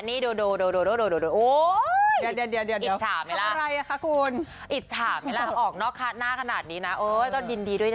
นี่ดูโอ้ยอิจฉาไหมละออกหน้าขนาดนี้นะโอ้ยก็ดีด้วยนะจ๊ะ